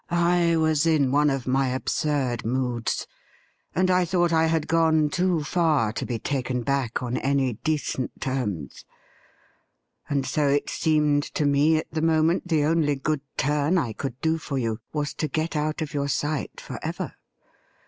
' I was in one of my absurd moods, and I thought I had gone too far to be taken back on any decent terms ; and so it seemed to me at the moment the only good turn I could do for you was to get out of your sight for ever.